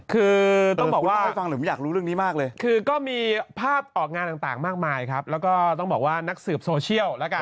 คือต้องบอกว่าคือก็มีภาพออกงานต่างมากมายครับแล้วก็ต้องบอกว่านักสืบโซเชียลแล้วกัน